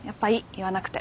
言わなくて。